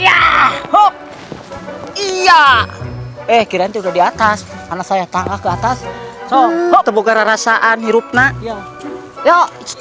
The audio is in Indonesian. ya ya eh kirain sudah di atas anak saya tangga ke atas sop tebuk gara rasa anirup na yo yo